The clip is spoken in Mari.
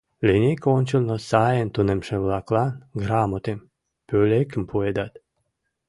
Линейка ончылно сайын тунемше-влаклан грамотым, пӧлекым пуэдат.